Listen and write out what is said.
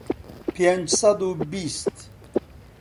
پێنج سەد و بیست